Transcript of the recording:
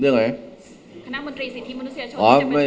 เรื่องอะไร